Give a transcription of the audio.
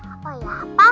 apa ya pak